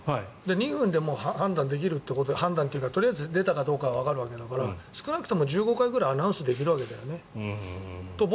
２分で判断できる判断っていうかとりあえず出たかどうかはわかるわけだから少なくとも１５回ぐらいアナウンスできるわけだよね。